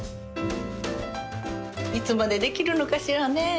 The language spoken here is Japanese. いつまでできるのかしらねえ。